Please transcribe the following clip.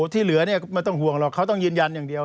ที่เหลือเนี่ยไม่ต้องห่วงหรอกเขาต้องยืนยันอย่างเดียว